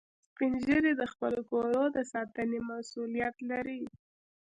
سپین ږیری د خپلو کورو د ساتنې مسئولیت لري